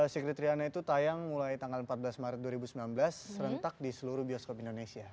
secret riana itu tayang mulai tanggal empat belas maret dua ribu sembilan belas serentak di seluruh bioskop indonesia